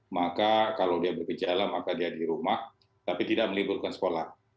maka kalau dia bergejala maka dia di rumah tapi tidak meliburkan sekolah